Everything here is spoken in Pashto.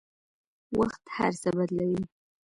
وخت هر څه بدلوي.